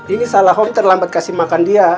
ini salah home terlambat kasih makan dia